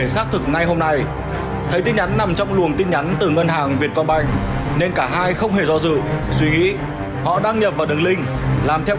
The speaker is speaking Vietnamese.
xin chào và hẹn gặp lại